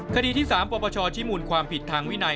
คดีที่๓ปปชชี้มูลความผิดทางวินัย